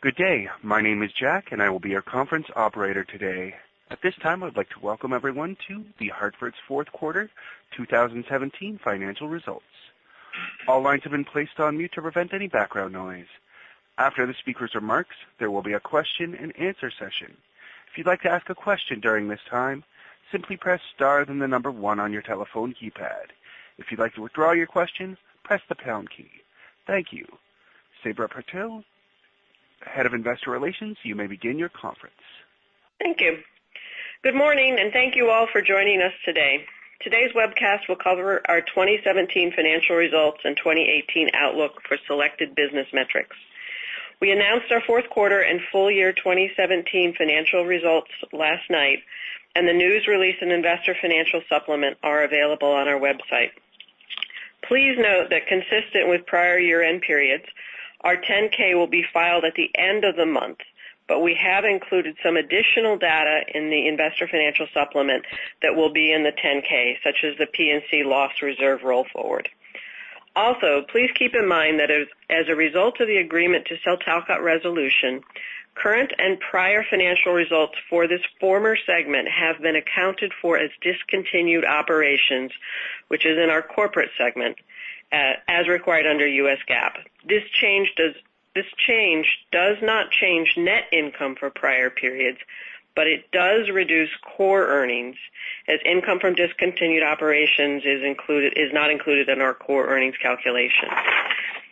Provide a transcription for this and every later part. Good day. My name is Jack, and I will be your conference operator today. At this time, I would like to welcome everyone to The Hartford's fourth quarter 2017 financial results. All lines have been placed on mute to prevent any background noise. After the speaker's remarks, there will be a question and answer session. If you'd like to ask a question during this time, simply press star, then the number one on your telephone keypad. If you'd like to withdraw your question, press the pound key. Thank you. Sabra Purtill, Head of Investor Relations, you may begin your conference. Thank you. Good morning. Thank you all for joining us today. Today's webcast will cover our 2017 financial results and 2018 outlook for selected business metrics. We announced our fourth quarter and full year 2017 financial results last night. The news release and investor financial supplement are available on our website. Please note that consistent with prior year-end periods, our 10-K will be filed at the end of the month. We have included some additional data in the investor financial supplement that will be in the 10-K, such as the P&C loss reserve roll forward. Also, please keep in mind that as a result of the agreement to sell Talcott Resolution, current and prior financial results for this former segment have been accounted for as discontinued operations, which is in our corporate segment, as required under U.S. GAAP. This change does not change net income for prior periods. It does reduce core earnings as income from discontinued operations is not included in our core earnings calculation.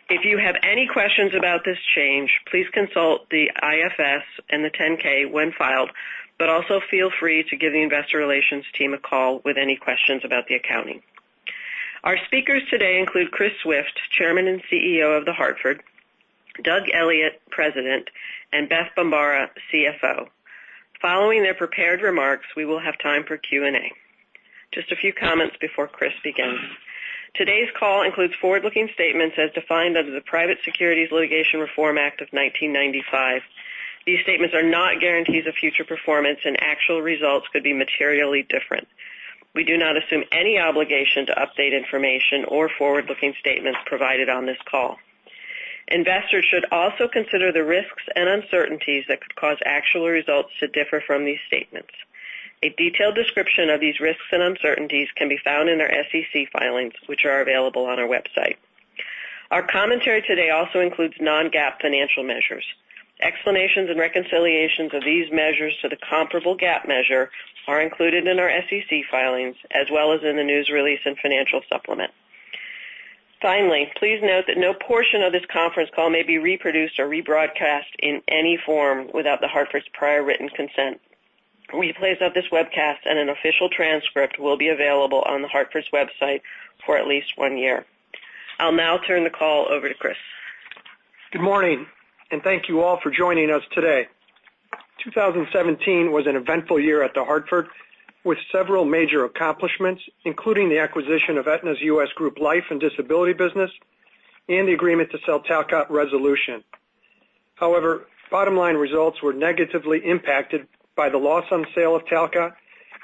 If you have any questions about this change, please consult the IFS and the 10-K when filed. Also feel free to give the investor relations team a call with any questions about the accounting. Our speakers today include Chris Swift, Chairman and CEO of The Hartford, Doug Elliot, President, and Beth Bombara, CFO. Following their prepared remarks, we will have time for Q&A. Just a few comments before Chris begins. Today's call includes forward-looking statements as defined under the Private Securities Litigation Reform Act of 1995. These statements are not guarantees of future performance. Actual results could be materially different. We do not assume any obligation to update information or forward-looking statements provided on this call. Investors should also consider the risks and uncertainties that could cause actual results to differ from these statements. A detailed description of these risks and uncertainties can be found in our SEC filings, which are available on our website. Our commentary today also includes non-GAAP financial measures. Explanations and reconciliations of these measures to the comparable GAAP measure are included in our SEC filings, as well as in the news release and financial supplement. Finally, please note that no portion of this conference call may be reproduced or rebroadcast in any form without The Hartford's prior written consent. Replays of this webcast and an official transcript will be available on The Hartford's website for at least one year. I'll now turn the call over to Chris. Good morning. Thank you all for joining us today. 2017 was an eventful year at The Hartford, with several major accomplishments, including the acquisition of Aetna's U.S. Group Life and Disability business and the agreement to sell Talcott Resolution. However, bottom-line results were negatively impacted by the loss on sale of Talcott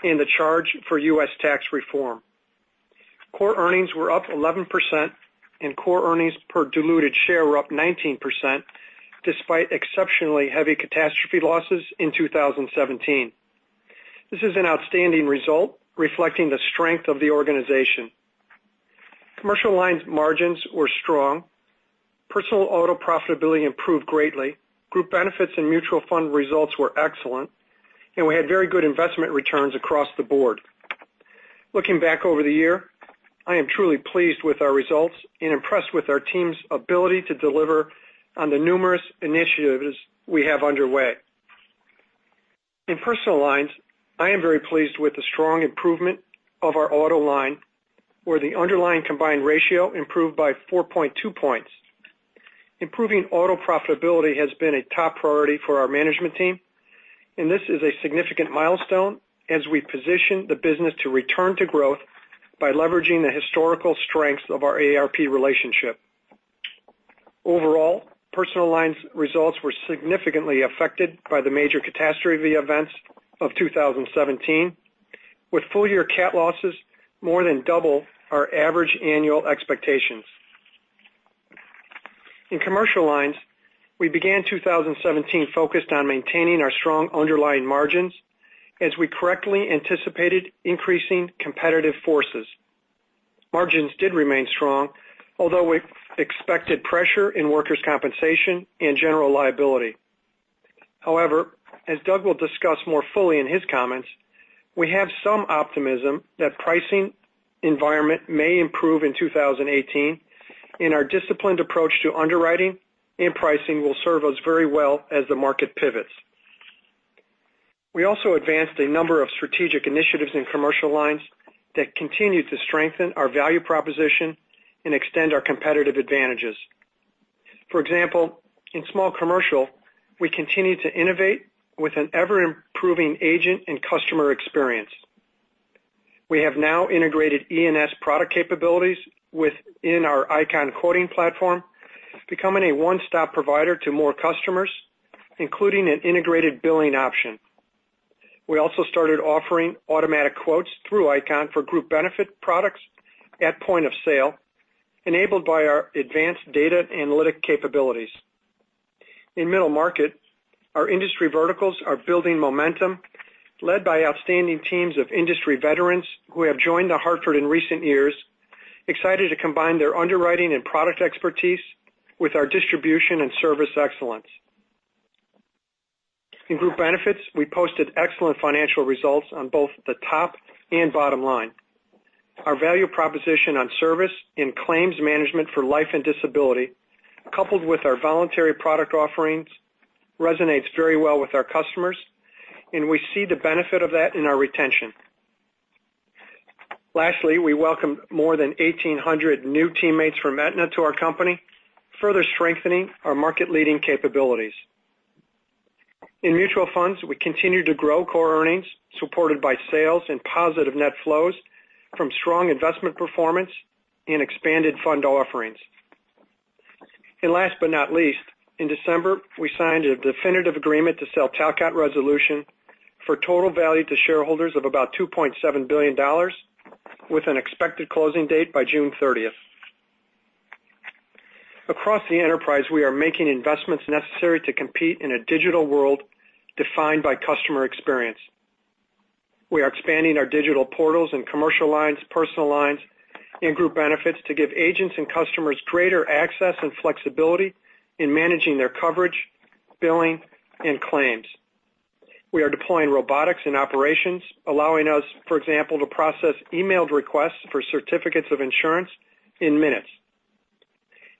and the charge for U.S. tax reform. Core earnings were up 11%. Core earnings per diluted share were up 19%, despite exceptionally heavy catastrophe losses in 2017. This is an outstanding result reflecting the strength of the organization. Commercial lines margins were strong. Personal auto profitability improved greatly. Group benefits and mutual fund results were excellent, and we had very good investment returns across the board. Looking back over the year, I am truly pleased with our results and impressed with our team's ability to deliver on the numerous initiatives we have underway. In personal lines, I am very pleased with the strong improvement of our auto line, where the underlying combined ratio improved by 4.2 points. Improving auto profitability has been a top priority for our management team. This is a significant milestone as we position the business to return to growth by leveraging the historical strengths of our AARP relationship. Overall, personal lines results were significantly affected by the major catastrophe events of 2017, with full-year cat losses more than double our average annual expectations. In commercial lines, we began 2017 focused on maintaining our strong underlying margins as we correctly anticipated increasing competitive forces. Margins did remain strong, although with expected pressure in workers' compensation and general liability. As Doug will discuss more fully in his comments, we have some optimism that pricing environment may improve in 2018. Our disciplined approach to underwriting and pricing will serve us very well as the market pivots. We also advanced a number of strategic initiatives in commercial lines that continue to strengthen our value proposition and extend our competitive advantages. For example, in small commercial, we continue to innovate with an ever-improving agent and customer experience. We have now integrated E&S product capabilities within our ICON quoting platform, becoming a one-stop provider to more customers, including an integrated billing option. We also started offering automatic quotes through ICON for group benefit products at point of sale, enabled by our advanced data analytic capabilities. In middle market, our industry verticals are building momentum, led by outstanding teams of industry veterans who have joined The Hartford in recent years, excited to combine their underwriting and product expertise with our distribution and service excellence. In group benefits, we posted excellent financial results on both the top and bottom line. Our value proposition on service in claims management for life and disability, coupled with our voluntary product offerings, resonates very well with our customers. We see the benefit of that in our retention. Lastly, we welcomed more than 1,800 new teammates from Aetna to our company, further strengthening our market-leading capabilities. In mutual funds, we continue to grow core earnings supported by sales and positive net flows from strong investment performance and expanded fund offerings. Last but not least, in December, we signed a definitive agreement to sell Talcott Resolution for total value to shareholders of about $2.7 billion, with an expected closing date by June 30th. Across the enterprise, we are making investments necessary to compete in a digital world defined by customer experience. We are expanding our digital portals in commercial lines, personal lines, and group benefits to give agents and customers greater access and flexibility in managing their coverage, billing, and claims. We are deploying robotics in operations, allowing us, for example, to process emailed requests for certificates of insurance in minutes,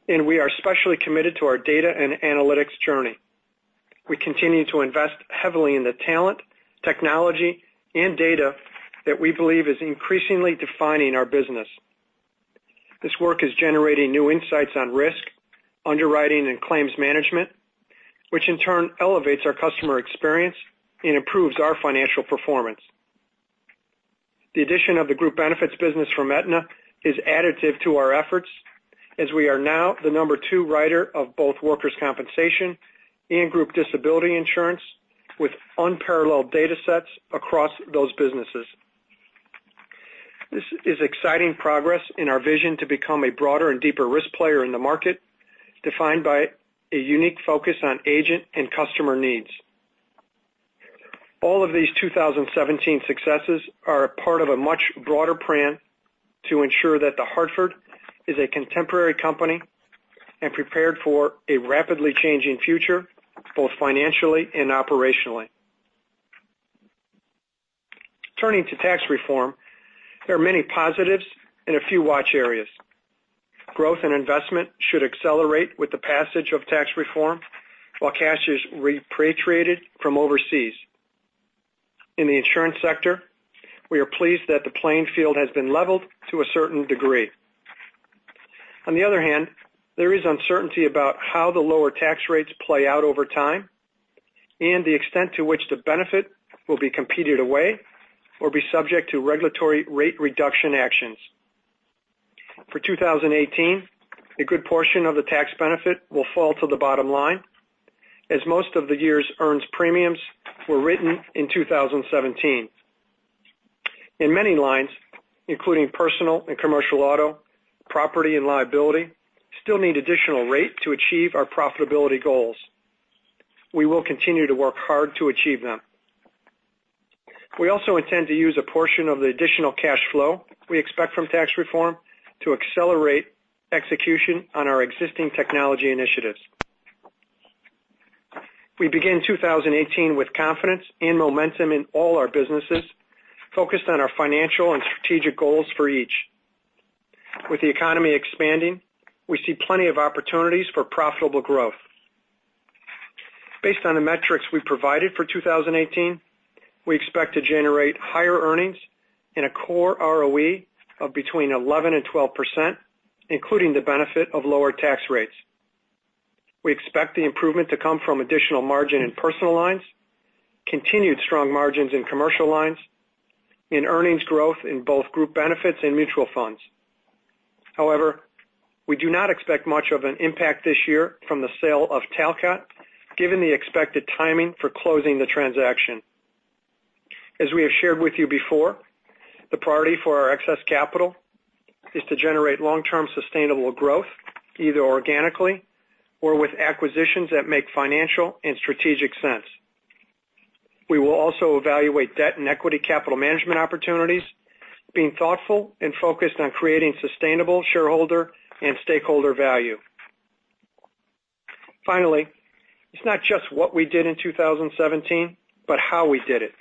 and we are specially committed to our data and analytics journey. We continue to invest heavily in the talent, technology, and data that we believe is increasingly defining our business. This work is generating new insights on risk, underwriting, and claims management, which in turn elevates our customer experience and improves our financial performance. The addition of the group benefits business from Aetna is additive to our efforts, as we are now the number two writer of both workers' compensation and group disability insurance, with unparalleled data sets across those businesses. This is exciting progress in our vision to become a broader and deeper risk player in the market, defined by a unique focus on agent and customer needs. All of these 2017 successes are a part of a much broader plan to ensure that The Hartford is a contemporary company and prepared for a rapidly changing future, both financially and operationally. Turning to tax reform, there are many positives and a few watch areas. Growth and investment should accelerate with the passage of tax reform while cash is repatriated from overseas. In the insurance sector, we are pleased that the playing field has been leveled to a certain degree. On the other hand, there is uncertainty about how the lower tax rates play out over time and the extent to which the benefit will be competed away or be subject to regulatory rate reduction actions. For 2018, a good portion of the tax benefit will fall to the bottom line as most of the year's earned premiums were written in 2017. In many lines, including personal and commercial auto, property and liability still need additional rate to achieve our profitability goals. We will continue to work hard to achieve them. We also intend to use a portion of the additional cash flow we expect from tax reform to accelerate execution on our existing technology initiatives. We begin 2018 with confidence and momentum in all our businesses, focused on our financial and strategic goals for each. With the economy expanding, we see plenty of opportunities for profitable growth. Based on the metrics we provided for 2018, we expect to generate higher earnings and a core ROE of between 11% and 12%, including the benefit of lower tax rates. We expect the improvement to come from additional margin in personal lines, continued strong margins in commercial lines, and earnings growth in both group benefits and mutual funds. However, we do not expect much of an impact this year from the sale of Talcott, given the expected timing for closing the transaction. As we have shared with you before, the priority for our excess capital is to generate long-term sustainable growth, either organically or with acquisitions that make financial and strategic sense. We will also evaluate debt and equity capital management opportunities, being thoughtful and focused on creating sustainable shareholder and stakeholder value. Finally, it's not just what we did in 2017, but how we did it.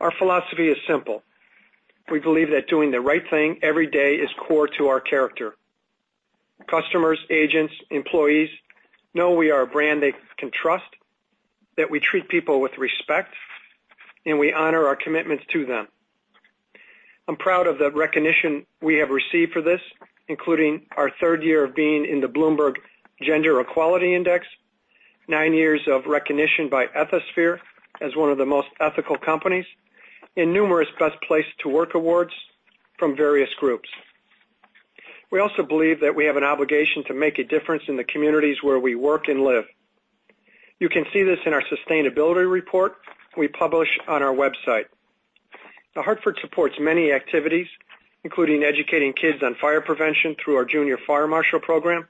Our philosophy is simple. We believe that doing the right thing every day is core to our character. Customers, agents, employees know we are a brand they can trust, that we treat people with respect, and we honor our commitments to them. I'm proud of the recognition we have received for this, including our third year of being in the Bloomberg Gender-Equality Index, nine years of recognition by Ethisphere as one of the most ethical companies, and numerous best place to work awards from various groups. We also believe that we have an obligation to make a difference in the communities where we work and live. You can see this in our sustainability report we publish on our website. The Hartford supports many activities, including educating kids on fire prevention through our Junior Fire Marshal program,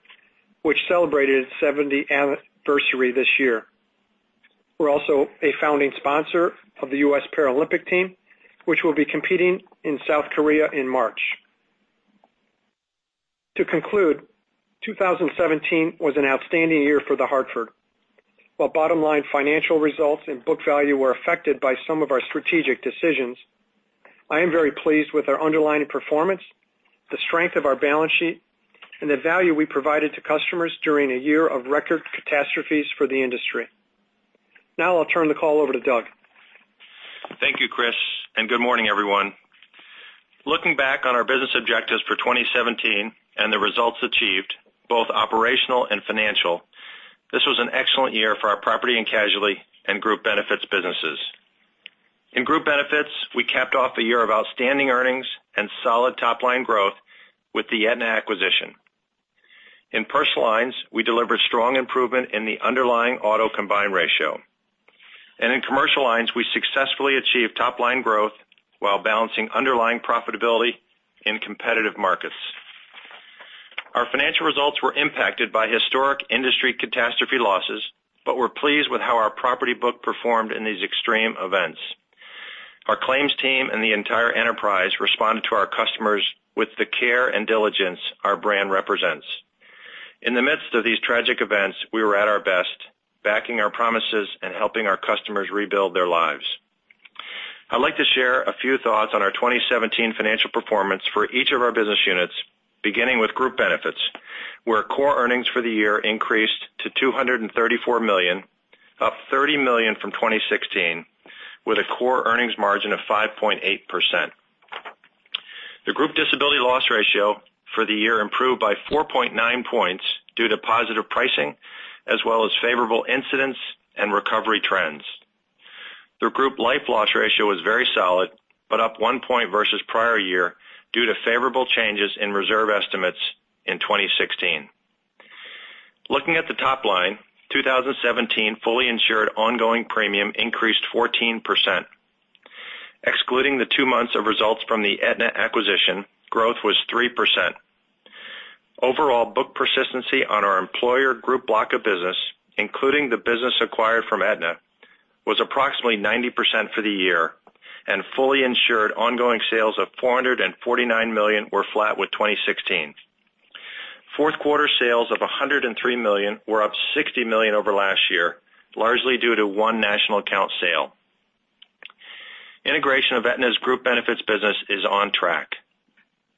which celebrated its 70 anniversary this year. We're also a founding sponsor of the U.S. Paralympic team, which will be competing in South Korea in March. To conclude, 2017 was an outstanding year for The Hartford. While bottom-line financial results and book value were affected by some of our strategic decisions, I am very pleased with our underlying performance, the strength of our balance sheet, and the value we provided to customers during a year of record catastrophes for the industry. Now I'll turn the call over to Doug. Thank you, Chris, and good morning, everyone. Looking back on our business objectives for 2017 and the results achieved, both operational and financial, this was an excellent year for our property and casualty and Group Benefits businesses. In Group Benefits, we capped off a year of outstanding earnings and solid top-line growth with the Aetna acquisition. In Personal Lines, we delivered strong improvement in the underlying auto combined ratio. In Commercial Lines, we successfully achieved top-line growth while balancing underlying profitability in competitive markets. Our financial results were impacted by historic industry catastrophe losses, but we're pleased with how our property book performed in these extreme events. Our claims team and the entire enterprise responded to our customers with the care and diligence our brand represents. In the midst of these tragic events, we were at our best, backing our promises and helping our customers rebuild their lives. I'd like to share a few thoughts on our 2017 financial performance for each of our business units, beginning with Group Benefits, where core earnings for the year increased to $234 million, up $30 million from 2016, with a core earnings margin of 5.8%. The group disability loss ratio for the year improved by 4.9 points due to positive pricing as well as favorable incidents and recovery trends. The group life loss ratio was very solid, but up one point versus prior year due to favorable changes in reserve estimates in 2016. Looking at the top line, 2017 fully insured ongoing premium increased 14%. Excluding the two months of results from the Aetna acquisition, growth was 3%. Overall, book persistency on our employer group block of business, including the business acquired from Aetna, was approximately 90% for the year, and fully insured ongoing sales of $449 million were flat with 2016. Fourth quarter sales of $103 million were up $60 million over last year, largely due to one national account sale. Integration of Aetna's Group Benefits business is on track.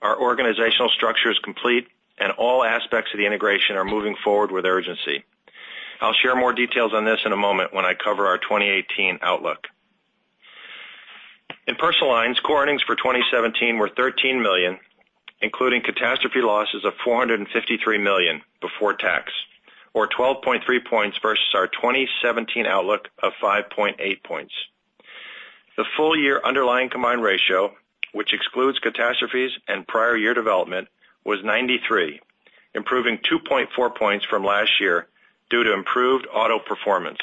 Our organizational structure is complete, and all aspects of the integration are moving forward with urgency. I'll share more details on this in a moment when I cover our 2018 outlook. In Personal Lines, core earnings for 2017 were $13 million, including catastrophe losses of $453 million before tax, or 12.3 points versus our 2017 outlook of 5.8 points. The full year underlying combined ratio, which excludes catastrophes and prior year development, was 93, improving 2.4 points from last year due to improved auto performance.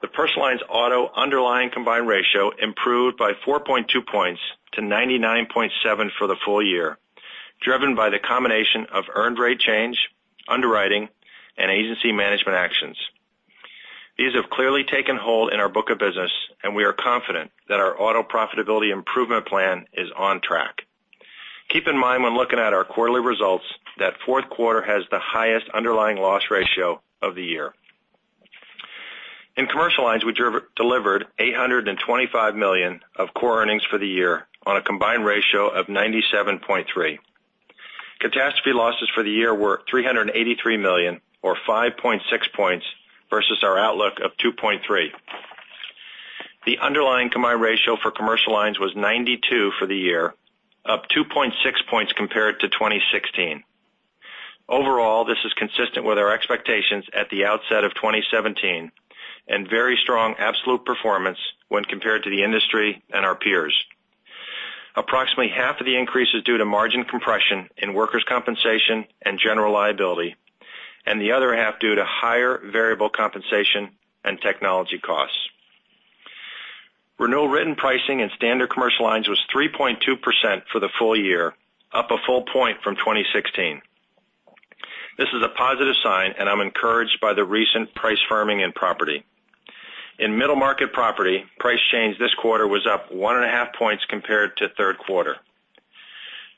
The Personal Lines auto underlying combined ratio improved by 4.2 points to 99.7 for the full year, driven by the combination of earned rate change, underwriting, and agency management actions. These have clearly taken hold in our book of business, and we are confident that our auto profitability improvement plan is on track. Keep in mind when looking at our quarterly results that fourth quarter has the highest underlying loss ratio of the year. In Commercial Lines, we delivered $825 million of core earnings for the year on a combined ratio of 97.3. Catastrophe losses for the year were $383 million or 5.6 points versus our outlook of 2.3. The underlying combined ratio for Commercial Lines was 92 for the year, up 2.6 points compared to 2016. Overall, this is consistent with our expectations at the outset of 2017 and very strong absolute performance when compared to the industry and our peers. Approximately half of the increase is due to margin compression in workers' compensation and general liability, and the other half due to higher variable compensation and technology costs. Renewal written pricing in standard commercial lines was 3.2% for the full year, up a full point from 2016. This is a positive sign, and I'm encouraged by the recent price firming in property. In middle market property, price change this quarter was up one and a half points compared to third quarter.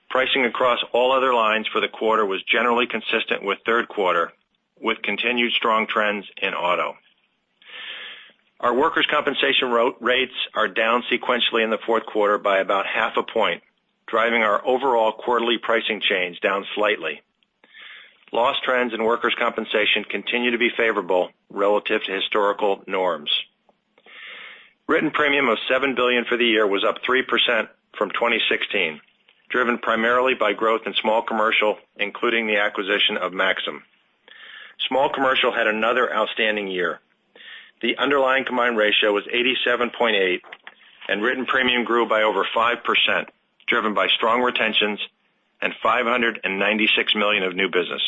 Pricing across all other lines for the quarter was generally consistent with third quarter, with continued strong trends in auto. Our workers' compensation rates are down sequentially in the fourth quarter by about half a point, driving our overall quarterly pricing change down slightly. Loss trends in workers' compensation continue to be favorable relative to historical norms. Written premium of $7 billion for the year was up 3% from 2016, driven primarily by growth in small commercial, including the acquisition of Maxum. Small commercial had another outstanding year. The underlying combined ratio was 87.8, and written premium grew by over 5%, driven by strong retentions and $596 million of new business.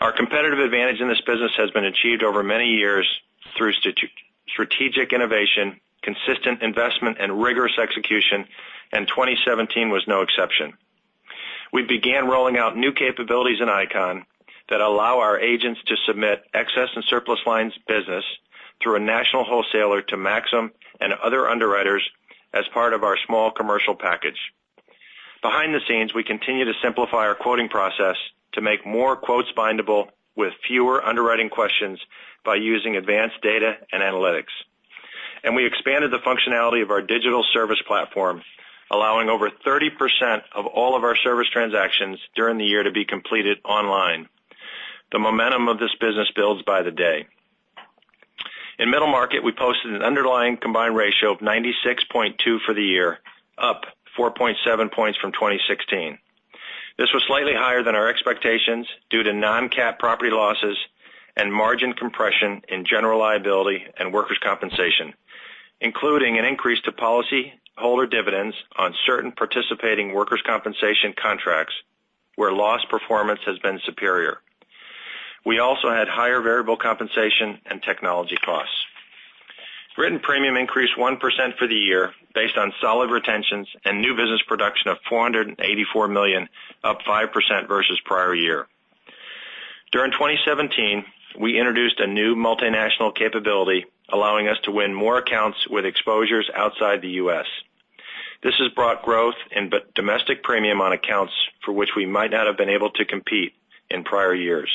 Our competitive advantage in this business has been achieved over many years through strategic innovation, consistent investment, and rigorous execution, and 2017 was no exception. We began rolling out new capabilities in ICON that allow our agents to submit excess and surplus lines business through a national wholesaler to Maxum and other underwriters as part of our small commercial package. Behind the scenes, we continue to simplify our quoting process to make more quotes bindable with fewer underwriting questions by using advanced data and analytics. We expanded the functionality of our digital service platform, allowing over 30% of all of our service transactions during the year to be completed online. The momentum of this business builds by the day. In middle market, we posted an underlying combined ratio of 96.2 for the year, up 4.7 points from 2016. This was slightly higher than our expectations due to non-cat property losses and margin compression in general liability and workers' compensation, including an increase to policyholder dividends on certain participating workers' compensation contracts where loss performance has been superior. We also had higher variable compensation and technology costs. Written premium increased 1% for the year based on solid retentions and new business production of $484 million, up 5% versus prior year. During 2017, we introduced a new multinational capability allowing us to win more accounts with exposures outside the U.S. This has brought growth in domestic premium on accounts for which we might not have been able to compete in prior years.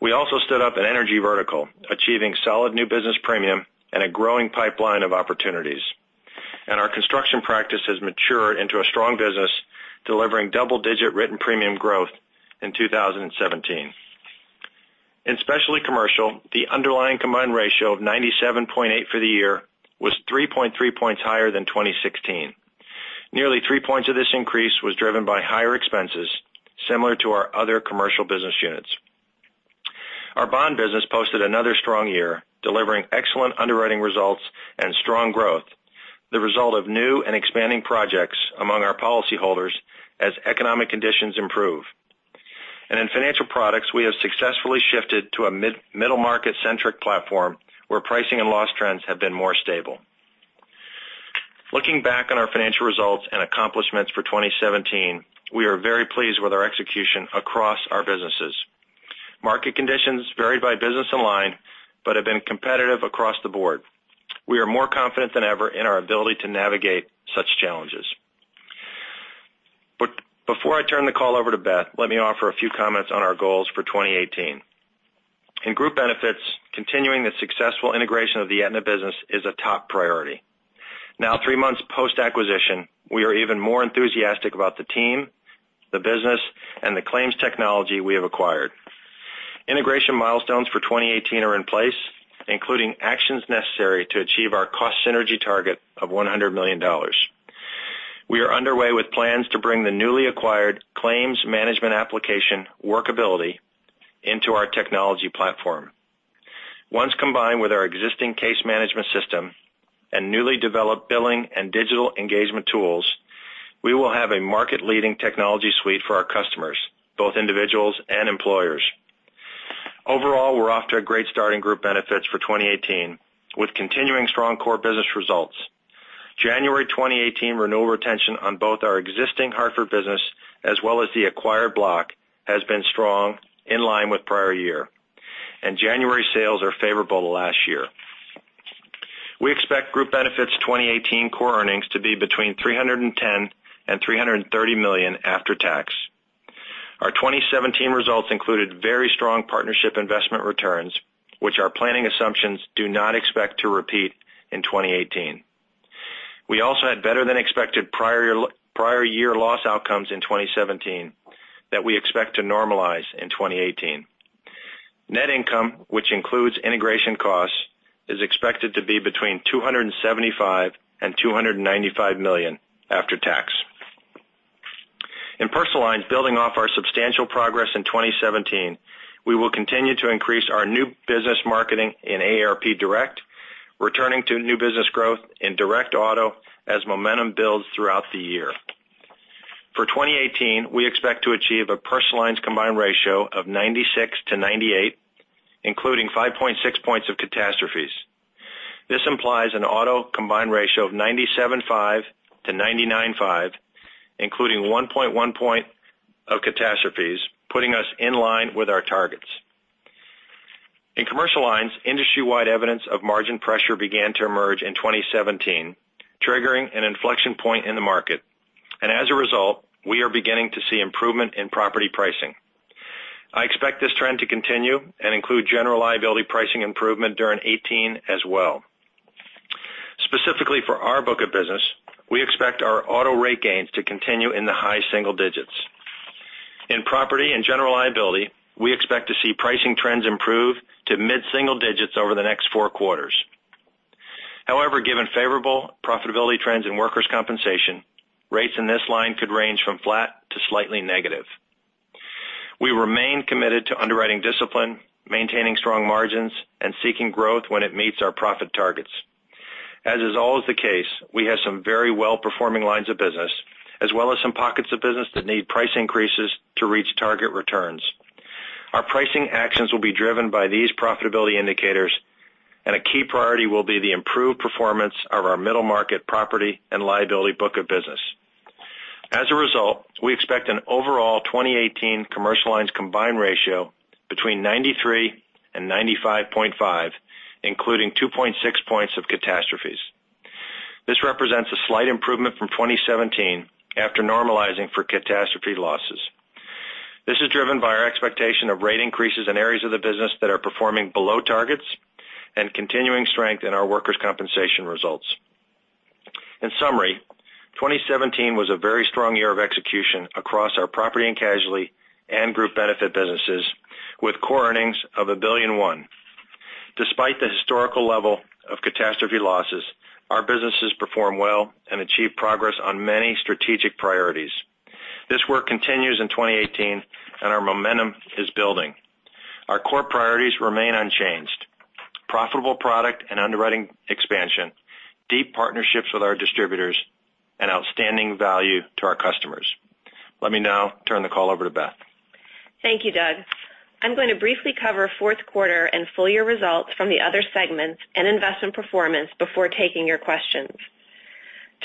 We also stood up an energy vertical, achieving solid new business premium and a growing pipeline of opportunities. Our construction practice has matured into a strong business, delivering double-digit written premium growth in 2017. In specialty commercial, the underlying combined ratio of 97.8 for the year was 3.3 points higher than 2016. Nearly three points of this increase was driven by higher expenses similar to our other commercial business units. Our bond business posted another strong year, delivering excellent underwriting results and strong growth, the result of new and expanding projects among our policyholders as economic conditions improve. In financial products, we have successfully shifted to a middle market-centric platform where pricing and loss trends have been more stable. Looking back on our financial results and accomplishments for 2017, we are very pleased with our execution across our businesses. Market conditions vary by business and line but have been competitive across the board. We are more confident than ever in our ability to navigate such challenges. Before I turn the call over to Beth, let me offer a few comments on our goals for 2018. In group benefits, continuing the successful integration of the Aetna business is a top priority. Now three months post-acquisition, we are even more enthusiastic about the team, the business, and the claims technology we have acquired. Integration milestones for 2018 are in place, including actions necessary to achieve our cost synergy target of $100 million. We are underway with plans to bring the newly acquired claims management application Workability into our technology platform. Once combined with our existing case management system and newly developed billing and digital engagement tools, we will have a market-leading technology suite for our customers, both individuals and employers. Overall, we're off to a great start in group benefits for 2018 with continuing strong core business results. January 2018 renewal retention on both our existing Hartford business as well as the acquired block has been strong in line with prior year. January sales are favorable to last year. We expect group benefits 2018 core earnings to be between $310 million and $330 million after tax. Our 2017 results included very strong partnership investment returns, which our planning assumptions do not expect to repeat in 2018. We also had better than expected prior year loss outcomes in 2017 that we expect to normalize in 2018. Net income, which includes integration costs, is expected to be between $275 million and $295 million after tax. In personal lines, building off our substantial progress in 2017, we will continue to increase our new business marketing in AARP Direct, returning to new business growth in direct auto as momentum builds throughout the year. For 2018, we expect to achieve a personal lines combined ratio of 96%-98%, including 5.6 points of catastrophes. This implies an auto combined ratio of 97.5%-99.5%, including 1.1 point of catastrophes, putting us in line with our targets. In commercial lines, industry-wide evidence of margin pressure began to emerge in 2017, triggering an inflection point in the market. As a result, we are beginning to see improvement in property pricing. I expect this trend to continue and include general liability pricing improvement during 2018 as well. Specifically for our book of business, we expect our auto rate gains to continue in the high single digits. In property and general liability, we expect to see pricing trends improve to mid-single digits over the next four quarters. However, given favorable profitability trends in workers' compensation, rates in this line could range from flat to slightly negative. We remain committed to underwriting discipline, maintaining strong margins, and seeking growth when it meets our profit targets. As is always the case, we have some very well-performing lines of business, as well as some pockets of business that need price increases to reach target returns. Our pricing actions will be driven by these profitability indicators. A key priority will be the improved performance of our middle market property and liability book of business. As a result, we expect an overall 2018 commercial lines combined ratio between 93% and 95.5%, including 2.6 points of catastrophes. This represents a slight improvement from 2017 after normalizing for catastrophe losses. This is driven by our expectation of rate increases in areas of the business that are performing below targets and continuing strength in our workers' compensation results. In summary, 2017 was a very strong year of execution across our property and casualty and group benefit businesses, with core earnings of $1.1 billion. Despite the historical level of catastrophe losses, our businesses performed well and achieved progress on many strategic priorities. This work continues in 2018. Our momentum is building. Our core priorities remain unchanged: profitable product and underwriting expansion, deep partnerships with our distributors, and outstanding value to our customers. Let me now turn the call over to Beth. Thank you, Doug. I'm going to briefly cover fourth quarter and full-year results from the other segments and investment performance before taking your questions.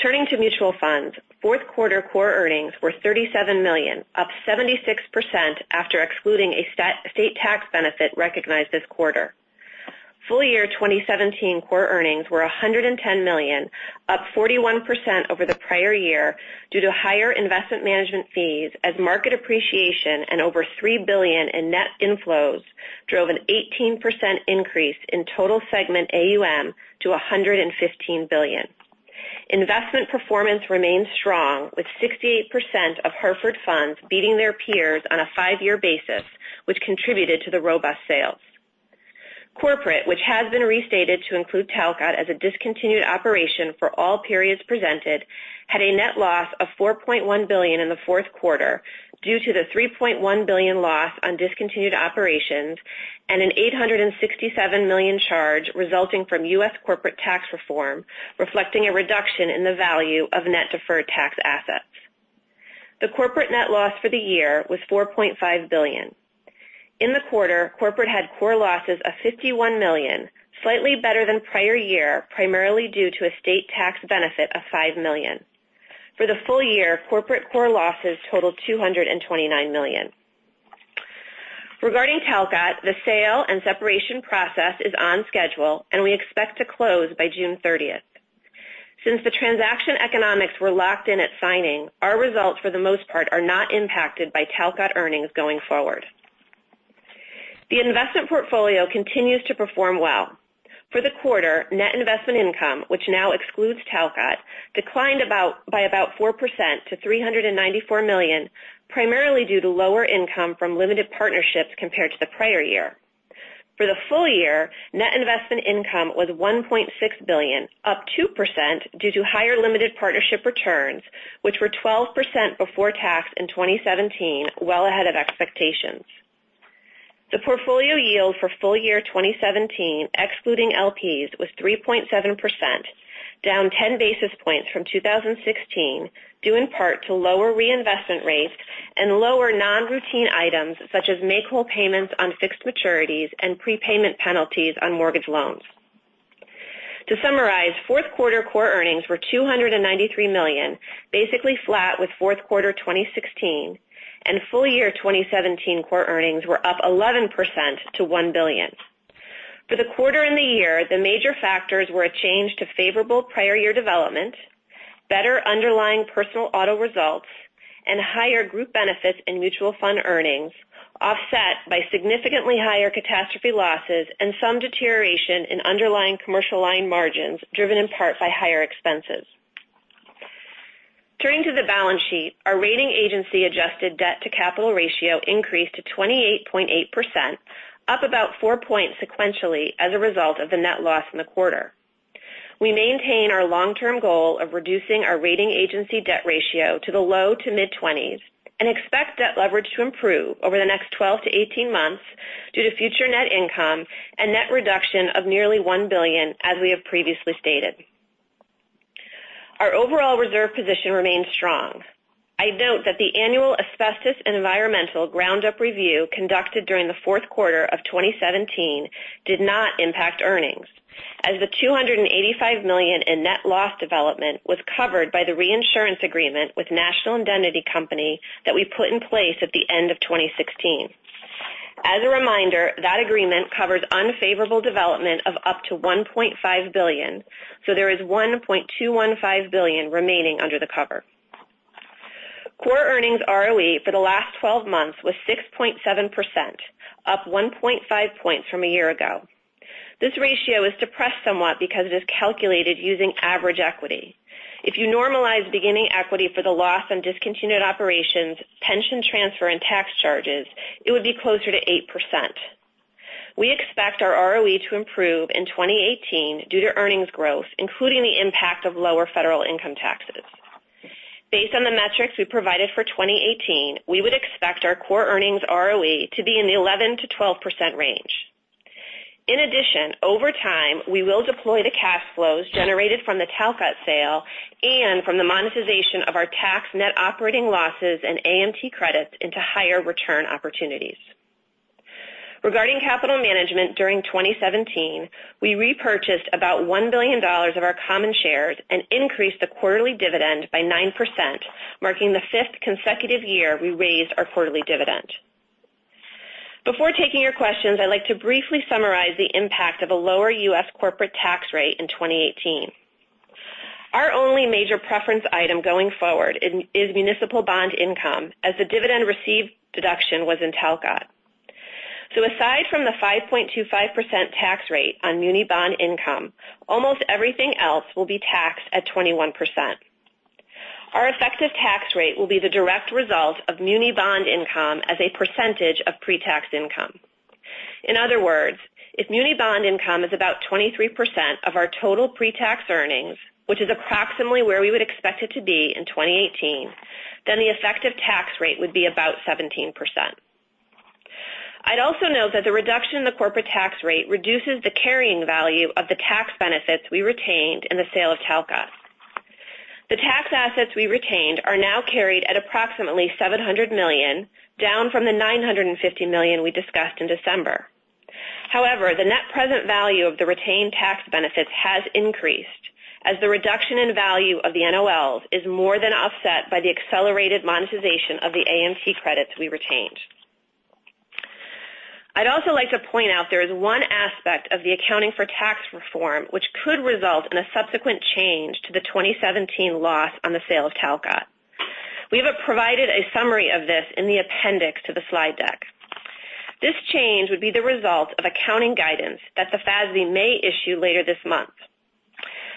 Turning to mutual funds, fourth quarter core earnings were $37 million, up 76% after excluding a state tax benefit recognized this quarter. Full year 2017 core earnings were $110 million, up 41% over the prior year due to higher investment management fees as market appreciation and over $3 billion in net inflows drove an 18% increase in total segment AUM to $115 billion. Investment performance remains strong, with 68% of Hartford Funds beating their peers on a five-year basis, which contributed to the robust sales. Corporate, which has been restated to include Talcott Resolution as a discontinued operation for all periods presented, had a net loss of $4.1 billion in the fourth quarter due to the $3.1 billion loss on discontinued operations and an $867 million charge resulting from U.S. corporate tax reform, reflecting a reduction in the value of net deferred tax assets. The corporate net loss for the year was $4.5 billion. In the quarter, corporate had core losses of $51 million, slightly better than prior year, primarily due to a state tax benefit of $5 million. For the full year, corporate core losses totaled $229 million. Regarding Talcott Resolution, the sale and separation process is on schedule, and we expect to close by June 30th. Since the transaction economics were locked in at signing, our results, for the most part, are not impacted by Talcott Resolution earnings going forward. The investment portfolio continues to perform well. For the quarter, net investment income, which now excludes Talcott Resolution, declined by about 4% to $394 million, primarily due to lower income from limited partnerships compared to the prior year. For the full year, net investment income was $1.6 billion, up 2% due to higher limited partnership returns, which were 12% before tax in 2017, well ahead of expectations. The portfolio yield for full year 2017, excluding LPs, was 3.7%, down 10 basis points from 2016, due in part to lower reinvestment rates and lower non-routine items such as make-whole payments on fixed maturities and prepayment penalties on mortgage loans. To summarize, fourth quarter core earnings were $293 million, basically flat with fourth quarter 2016, and full year 2017 core earnings were up 11% to $1 billion. For the quarter and the year, the major factors were a change to favorable prior year development, better underlying personal auto results, and higher group benefits and mutual fund earnings offset by significantly higher catastrophe losses and some deterioration in underlying commercial line margins, driven in part by higher expenses. Turning to the balance sheet, our rating agency adjusted debt to capital ratio increased to 28.8%, up about four points sequentially as a result of the net loss in the quarter. We maintain our long-term goal of reducing our rating agency debt ratio to the low to mid-20s and expect debt leverage to improve over the next 12 to 18 months due to future net income and net reduction of nearly $1 billion, as we have previously stated. Our overall reserve position remains strong. I note that the annual asbestos and environmental ground-up review conducted during the fourth quarter of 2017 did not impact earnings, as the $285 million in net loss development was covered by the reinsurance agreement with National Indemnity Company that we put in place at the end of 2016. As a reminder, that agreement covers unfavorable development of up to $1.5 billion, so there is $1.215 billion remaining under the cover. Core earnings ROE for the last 12 months was 6.7%, up 1.5 points from a year ago. This ratio is depressed somewhat because it is calculated using average equity. If you normalize beginning equity for the loss on discontinued operations, pension transfer, and tax charges, it would be closer to 8%. We expect our ROE to improve in 2018 due to earnings growth, including the impact of lower federal income taxes. Based on the metrics we provided for 2018, we would expect our core earnings ROE to be in the 11%-12% range. In addition, over time, we will deploy the cash flows generated from the Talcott sale and from the monetization of our tax-net operating losses and AMT credits into higher return opportunities. Regarding capital management during 2017, we repurchased about $1 billion of our common shares and increased the quarterly dividend by 9%, marking the fifth consecutive year we raised our quarterly dividend. Before taking your questions, I'd like to briefly summarize the impact of a lower U.S. corporate tax rate in 2018. Our only major preference item going forward is municipal bond income, as the dividend received deduction was in Talcott. Aside from the 5.25% tax rate on muni bond income, almost everything else will be taxed at 21%. Our effective tax rate will be the direct result of muni bond income as a percentage of pre-tax income. In other words, if muni bond income is about 23% of our total pre-tax earnings, which is approximately where we would expect it to be in 2018, then the effective tax rate would be about 17%. I'd also note that the reduction in the corporate tax rate reduces the carrying value of the tax benefits we retained in the sale of Talcott. The tax assets we retained are now carried at approximately $700 million, down from the $950 million we discussed in December. However, the net present value of the retained tax benefits has increased, as the reduction in value of the NOLs is more than offset by the accelerated monetization of the AMT credits we retained. I'd also like to point out there is one aspect of the accounting for tax reform which could result in a subsequent change to the 2017 loss on the sale of Talcott. We have provided a summary of this in the appendix to the slide deck. This change would be the result of accounting guidance that the FASB may issue later this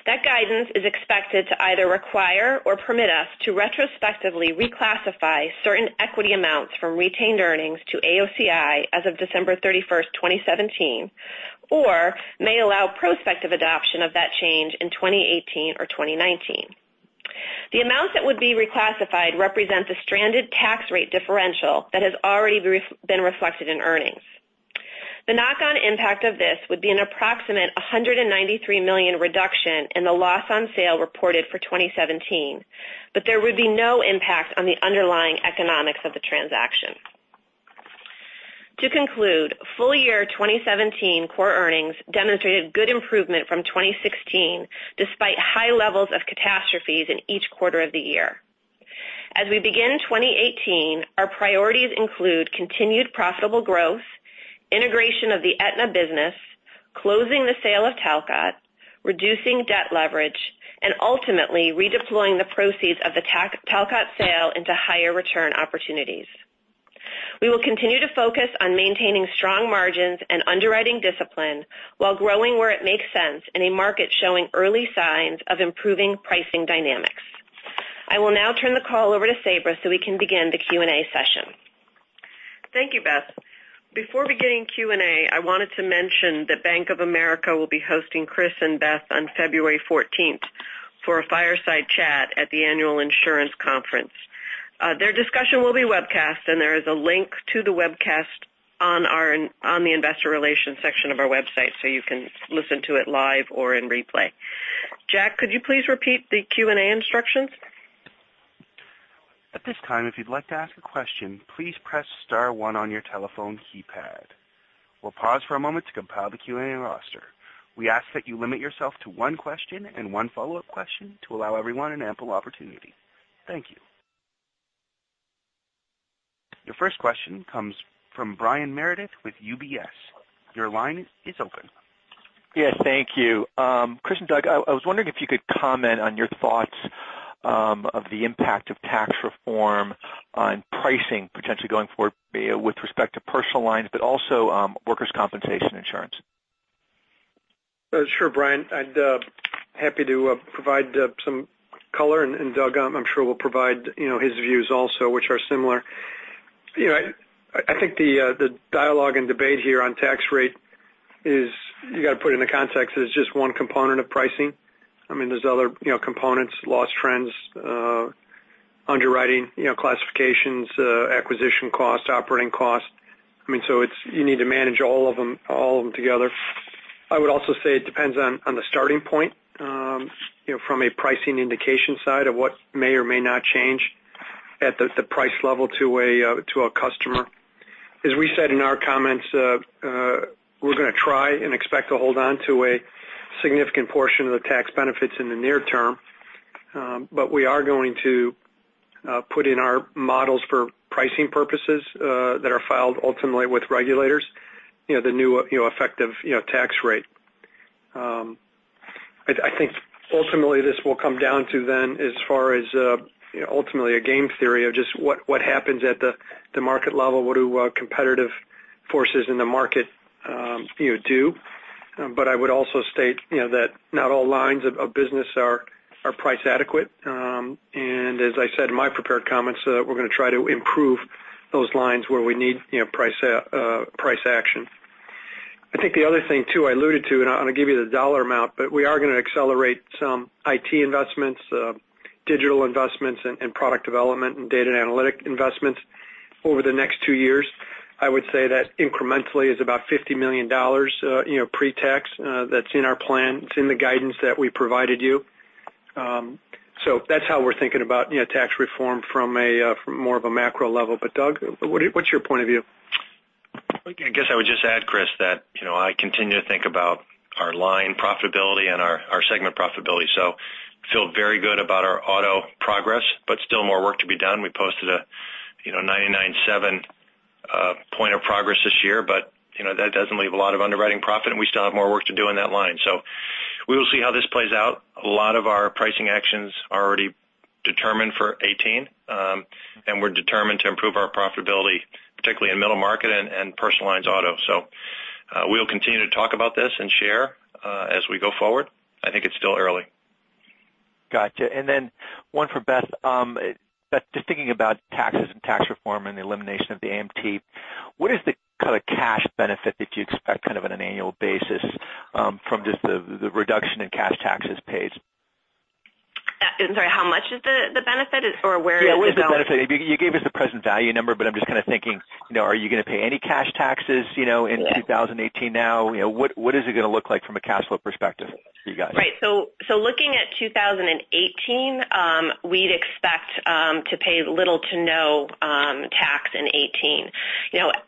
month. That guidance is expected to either require or permit us to retrospectively reclassify certain equity amounts from retained earnings to AOCI as of December 31st, 2017, or may allow prospective adoption of that change in 2018 or 2019. The amounts that would be reclassified represent the stranded tax rate differential that has already been reflected in earnings. The knock-on impact of this would be an approximate $193 million reduction in the loss on sale reported for 2017, but there would be no impact on the underlying economics of the transaction. To conclude, full year 2017 core earnings demonstrated good improvement from 2016, despite high levels of catastrophes in each quarter of the year. As we begin 2018, our priorities include continued profitable growth, integration of the Aetna business, closing the sale of Talcott, reducing debt leverage, and ultimately redeploying the proceeds of the Talcott sale into higher return opportunities. We will continue to focus on maintaining strong margins and underwriting discipline while growing where it makes sense in a market showing early signs of improving pricing dynamics. I will now turn the call over to Sabra so we can begin the Q&A session. Thank you, Beth. Before beginning Q&A, I wanted to mention that Bank of America will be hosting Chris and Beth on February 14th for a fireside chat at the Annual Insurance Conference. Their discussion will be webcast, and there is a link to the webcast on the investor relations section of our website, so you can listen to it live or in replay. Jack, could you please repeat the Q&A instructions? At this time, if you'd like to ask a question, please press star one on your telephone keypad. We'll pause for a moment to compile the Q&A roster. We ask that you limit yourself to one question and one follow-up question to allow everyone an ample opportunity. Thank you. Your first question comes from Brian Meredith with UBS. Your line is open. Yes. Thank you. Chris and Doug, I was wondering if you could comment on your thoughts of the impact of tax reform on pricing potentially going forward with respect to personal lines but also workers' compensation insurance. Sure, Brian. I'd happy to provide some color, and Doug, I'm sure, will provide his views also, which are similar. I think the dialogue and debate here on tax rate is, you got to put it into context, is just one component of pricing. There's other components, loss trends, underwriting classifications, acquisition cost, operating cost. You need to manage all of them together. I would also say it depends on the starting point from a pricing indication side of what may or may not change at the price level to a customer. As we said in our comments, we're going to try and expect to hold on to a significant portion of the tax benefits in the near term. We are going to put in our models for pricing purposes that are filed ultimately with regulators, the new effective tax rate. I think ultimately this will come down to then as far as ultimately a game theory of just what happens at the market level. What do competitive forces in the market do? I would also state that not all lines of business are price adequate. As I said in my prepared comments, we're going to try to improve those lines where we need price action. I think the other thing, too, I alluded to, and I'll give you the dollar amount, we are going to accelerate some IT investments, digital investments in product development, and data analytic investments over the next two years. I would say that incrementally is about $50 million pre-tax. That's in our plan. It's in the guidance that we provided you. That's how we're thinking about tax reform from more of a macro level. Doug, what's your point of view? I guess I would just add, Chris, that I continue to think about our line profitability and our segment profitability. Feel very good about our auto progress, still more work to be done. We posted a 99.7 point of progress this year, that doesn't leave a lot of underwriting profit, and we still have more work to do on that line. We will see how this plays out. A lot of our pricing actions are already determined for 2018. We're determined to improve our profitability, particularly in middle market and personal lines auto. We'll continue to talk about this and share as we go forward. I think it's still early. Got you. One for Beth Bombara. Beth Bombara, just thinking about taxes and tax reform and the elimination of the AMT, what is the kind of cash benefit that you expect kind of on an annual basis from just the reduction in cash taxes paid? I'm sorry, how much is the benefit or where is it going? Where's the benefit? You gave us the present value number, but I'm just kind of thinking, are you going to pay any cash taxes in 2018 now? What is it going to look like from a cash flow perspective for you guys? Right. Looking at 2018, we'd expect to pay little to no tax in 2018.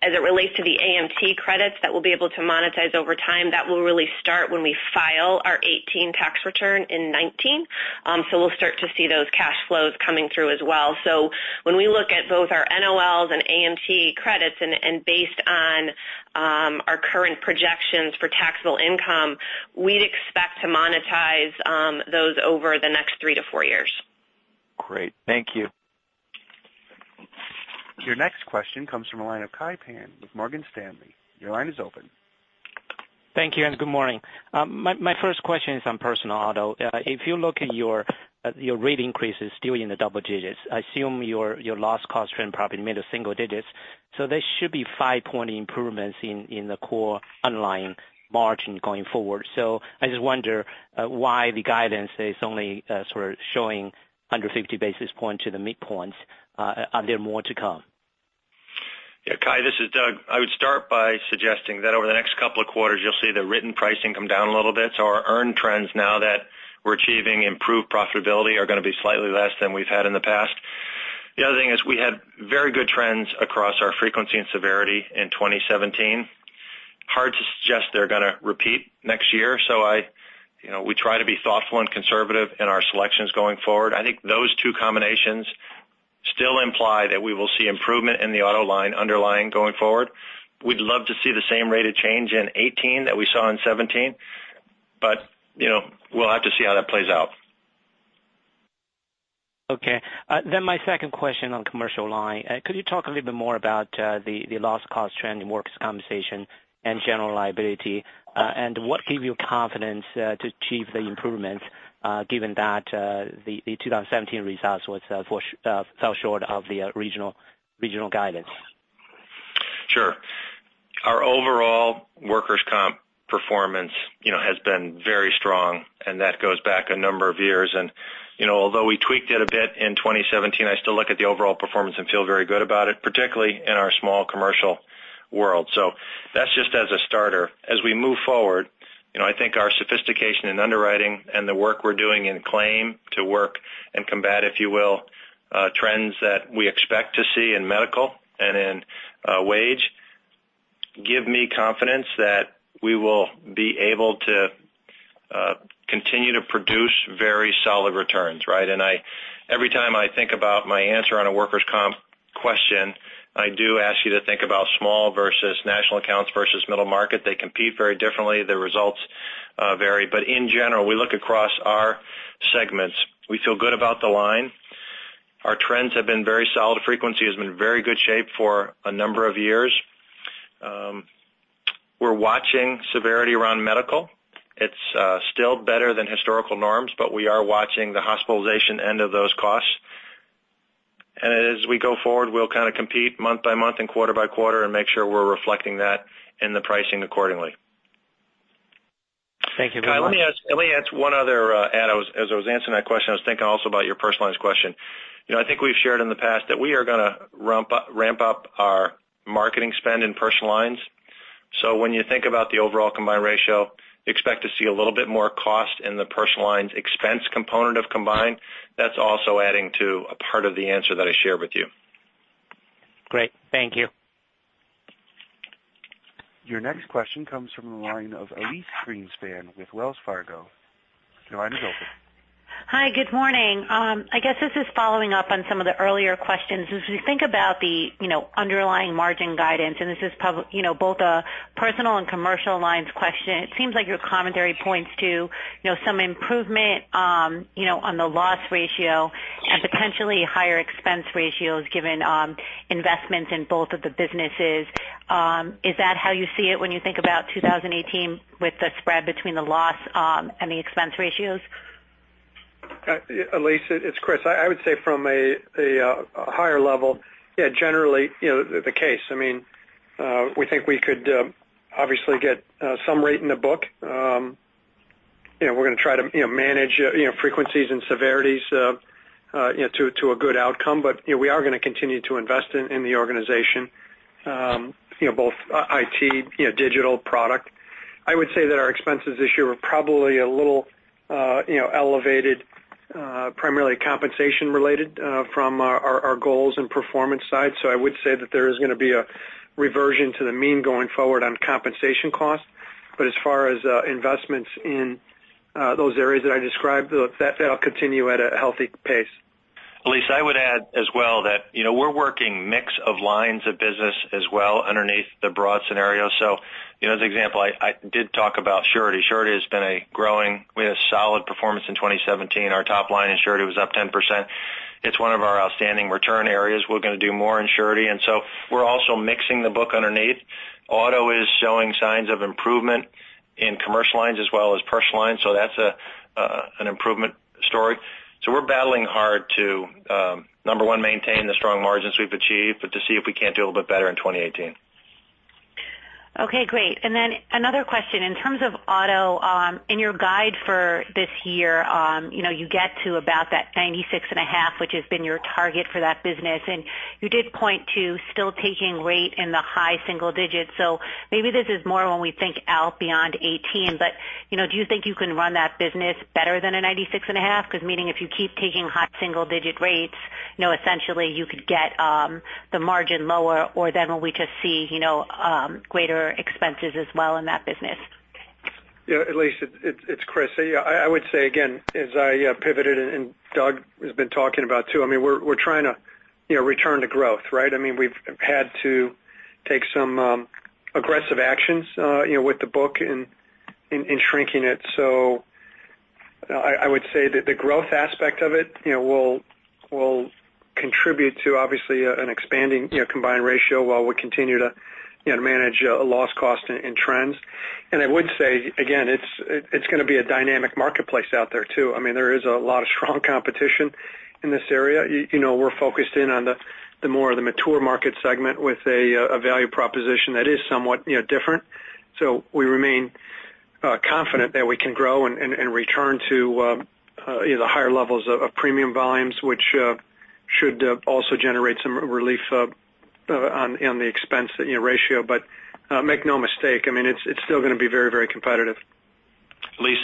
As it relates to the AMT credits that we'll be able to monetize over time, that will really start when we file our 2018 tax return in 2019. We'll start to see those cash flows coming through as well. When we look at both our NOLs and AMT credits, and based on our current projections for taxable income, we'd expect to monetize those over the next three to four years. Great. Thank you. Your next question comes from the line of Kai Pan with Morgan Stanley. Your line is open. Thank you. Good morning. My first question is on personal auto. If you look at your rate increases still in the double digits, I assume your loss cost trend probably middle single digits. There should be five-point improvements in the core underlying margin going forward. I just wonder why the guidance is only sort of showing under 50 basis points to the mid points. Are there more to come? Kai, this is Doug. I would start by suggesting that over the next couple of quarters, you'll see the written pricing come down a little bit. Our earn trends now that we're achieving improved profitability are going to be slightly less than we've had in the past. The other thing is we had very good trends across our frequency and severity in 2017. Hard to suggest they're going to repeat next year. We try to be thoughtful and conservative in our selections going forward. I think those two combinations still imply that we will see improvement in the auto line underlying going forward. We'd love to see the same rate of change in 2018 that we saw in 2017, but we'll have to see how that plays out. My second question on commercial line. Could you talk a little bit more about the loss cost trend in workers' compensation and general liability? What gave you confidence to achieve the improvements given that the 2017 results fell short of the regional guidance? Sure. Our overall workers' comp performance has been very strong, and that goes back a number of years. Although we tweaked it a bit in 2017, I still look at the overall performance and feel very good about it, particularly in our small commercial world. That's just as a starter. As we move forward, I think our sophistication in underwriting and the work we're doing in claim to work and combat, if you will, trends that we expect to see in medical and in wage give me confidence that we will be able to continue to produce very solid returns, right? Every time I think about my answer on a workers' comp question, I do ask you to think about small versus national accounts versus middle market. They compete very differently. The results vary. In general, we look across our segments. We feel good about the line. Our trends have been very solid. Frequency has been in very good shape for a number of years. We're watching severity around medical. It's still better than historical norms, but we are watching the hospitalization end of those costs. As we go forward, we'll kind of compete month by month and quarter by quarter and make sure we're reflecting that in the pricing accordingly. Thank you very much. Kai, let me add one other add. As I was answering that question, I was thinking also about your personal lines question. I think we've shared in the past that we are going to ramp up our marketing spend in personal lines. When you think about the overall combined ratio, expect to see a little bit more cost in the personal lines expense component of combined. That's also adding to a part of the answer that I shared with you. Great. Thank you. Your next question comes from the line of Elyse Greenspan with Wells Fargo. Your line is open. Hi, good morning. I guess this is following up on some of the earlier questions. As we think about the underlying margin guidance, and this is both a personal and commercial lines question, it seems like your commentary points to some improvement on the loss ratio and potentially higher expense ratios given investments in both of the businesses. Is that how you see it when you think about 2018 with the spread between the loss and the expense ratios? Elyse, it's Chris. I would say from a higher level, yeah, generally, the case. We think we could obviously get some rate in the book. We're going to try to manage frequencies and severities to a good outcome. We are going to continue to invest in the organization, both IT, digital product. I would say that our expenses this year were probably a little elevated, primarily compensation-related from our goals and performance side. I would say that there is going to be a reversion to the mean going forward on compensation costs. As far as investments in those areas that I described, that'll continue at a healthy pace. Elyse, I would add as well that we're working mix of lines of business as well underneath the broad scenario. As an example, I did talk about surety. Surety has been growing. We had a solid performance in 2017. Our top line in surety was up 10%. It's one of our outstanding return areas. We're going to do more in surety. We're also mixing the book underneath. Auto is showing signs of improvement in commercial lines as well as personal lines, that's an improvement story. We're battling hard to, number one, maintain the strong margins we've achieved, but to see if we can't do a little bit better in 2018. Okay, great. Another question, in terms of auto, in your guide for this year, you get to about that 96.5, which has been your target for that business, and you did point to still taking rate in the high single digits. Maybe this is more when we think out beyond 2018, but do you think you can run that business better than a 96.5? Because meaning if you keep taking high single-digit rates, essentially you could get the margin lower or then will we just see greater expenses as well in that business? Elyse, it's Chris. I would say again, as I pivoted and Doug Elliot has been talking about too, we're trying to return to growth, right? We've had to take some aggressive actions with the book in shrinking it. I would say that the growth aspect of it will contribute to obviously an expanding combined ratio while we continue to manage loss cost and trends. I would say, again, it's going to be a dynamic marketplace out there, too. There is a lot of strong competition in this area. We're focused in on the more of the mature market segment with a value proposition that is somewhat different. We remain confident that we can grow and return to the higher levels of premium volumes, which should also generate some relief on the expense ratio. Make no mistake, it's still going to be very competitive. Elyse,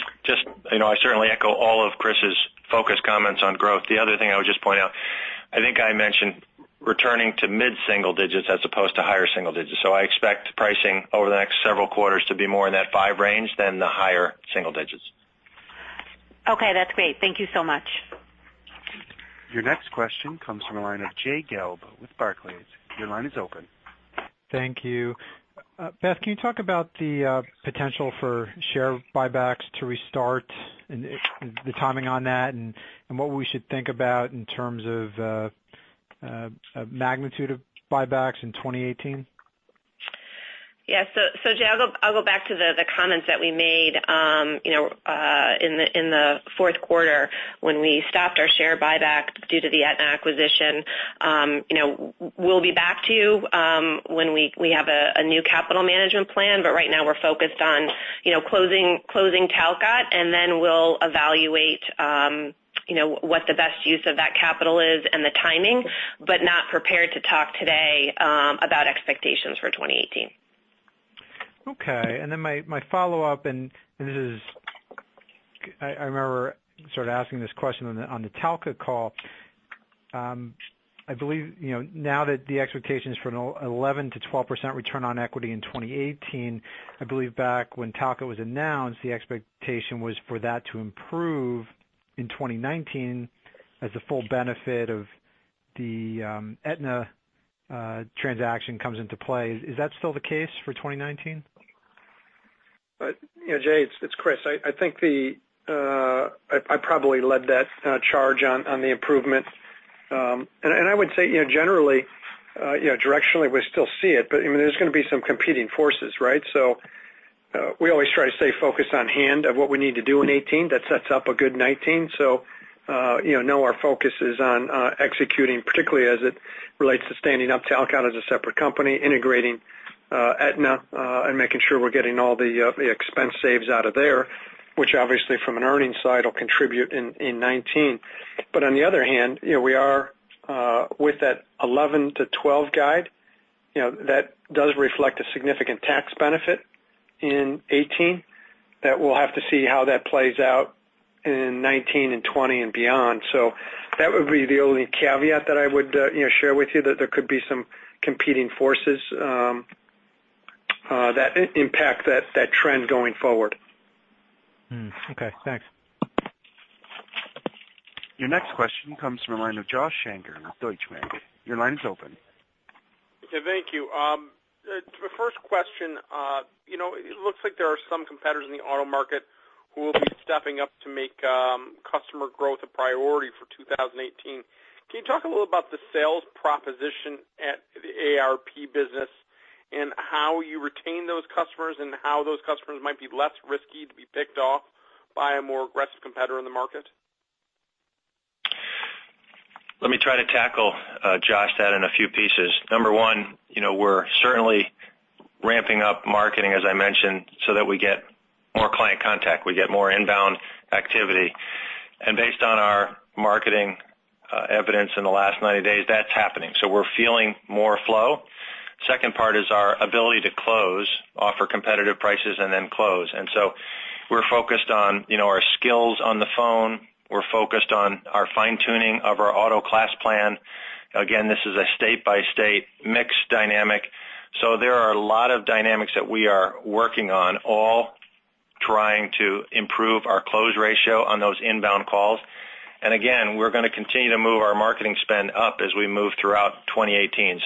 I certainly echo all of Chris's focus comments on growth. The other thing I would just point out, I think I mentioned returning to mid-single digits as opposed to higher single digits. I expect pricing over the next several quarters to be more in that five range than the higher single digits. That's great. Thank you so much. Your next question comes from the line of Jay Gelb with Barclays. Your line is open. Thank you. Beth, can you talk about the potential for share buybacks to restart and the timing on that, and what we should think about in terms of magnitude of buybacks in 2018? Jay, I'll go back to the comments that we made in the fourth quarter when we stopped our share buyback due to the Aetna acquisition. We'll be back to you when we have a new capital management plan. Right now we're focused on closing Talcott, and then we'll evaluate what the best use of that capital is and the timing, but not prepared to talk today about expectations for 2018. Okay. My follow-up, I remember sort of asking this question on the Talcott call. I believe now that the expectations for an 11%-12% return on equity in 2018, I believe back when Talcott was announced, the expectation was for that to improve in 2019 as the full benefit of the Aetna transaction comes into play. Is that still the case for 2019? Jay, it's Chris. I think I probably led that charge on the improvement. I would say generally, directionally, we still see it, there's going to be some competing forces, right? We always try to stay focused on hand of what we need to do in 2018 that sets up a good 2019. Know our focus is on executing, particularly as it relates to standing up Talcott as a separate company, integrating Aetna, and making sure we're getting all the expense saves out of there, which obviously from an earnings side will contribute in 2019. On the other hand, with that 11%-12% guide, that does reflect a significant tax benefit in 2018 that we'll have to see how that plays out in 2019 and 2020 and beyond. That would be the only caveat that I would share with you, that there could be some competing forces that impact that trend going forward. Okay, thanks. Your next question comes from the line of Josh Shanker with Deutsche Bank. Your line is open. Okay, thank you. The first question, it looks like there are some competitors in the auto market who will be stepping up to make customer growth a priority for 2018. Can you talk a little about the sales proposition at the AARP business? How you retain those customers and how those customers might be less risky to be picked off by a more aggressive competitor in the market? Let me try to tackle Josh that in a few pieces. Number one, we're certainly ramping up marketing, as I mentioned, that we get more client contact. We get more inbound activity. Based on our marketing evidence in the last 90 days, that's happening. We're feeling more flow. Second part is our ability to close, offer competitive prices, and then close. We're focused on our skills on the phone. We're focused on our fine-tuning of our auto class plan. Again, this is a state-by-state mix dynamic. There are a lot of dynamics that we are working on, all trying to improve our close ratio on those inbound calls. Again, we're going to continue to move our marketing spend up as we move throughout 2018.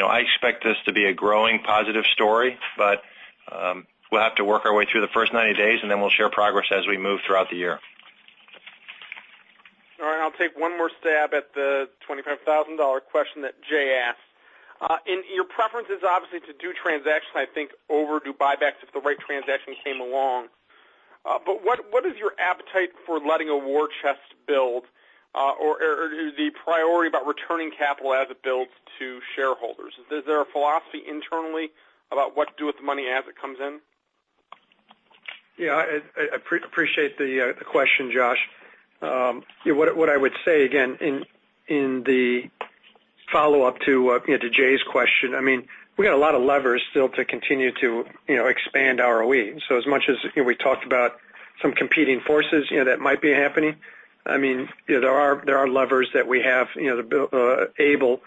I expect this to be a growing positive story, but we'll have to work our way through the first 90 days, then we'll share progress as we move throughout the year. All right. I'll take one more stab at the $25,000 question that Jay asked. Your preference is obviously to do transactions, I think, over do buybacks if the right transaction came along. What is your appetite for letting a war chest build, or is the priority about returning capital as it builds to shareholders? Is there a philosophy internally about what to do with the money as it comes in? Yeah. I appreciate the question, Josh. What I would say, again, in the follow-up to Jay's question, we've got a lot of levers still to continue to expand ROE. As much as we talked about some competing forces that might be happening, there are levers that we have able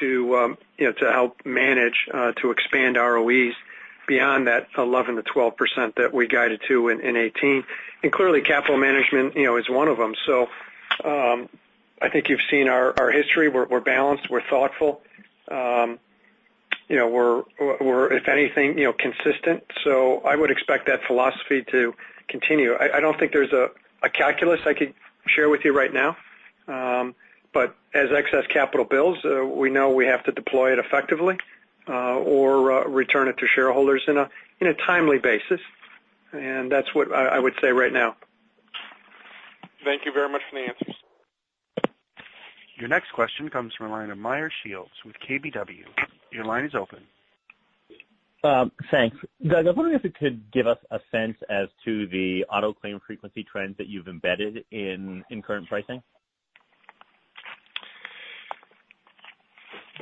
to help manage to expand ROEs beyond that 11%-12% that we guided to in 2018. Clearly, capital management is one of them. I think you've seen our history. We're balanced, we're thoughtful. We're, if anything, consistent. I would expect that philosophy to continue. I don't think there's a calculus I could share with you right now. As excess capital builds, we know we have to deploy it effectively or return it to shareholders in a timely basis. That's what I would say right now. Thank you very much for the answers. Your next question comes from the line of Meyer Shields with KBW. Your line is open. Thanks. Doug, I was wondering if you could give us a sense as to the auto claim frequency trends that you've embedded in current pricing.